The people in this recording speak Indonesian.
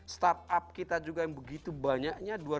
startup kita juga yang begitu banyaknya